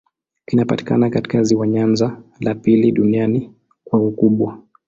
Kinapatikana katika ziwa Nyanza, la pili duniani kwa ukubwa.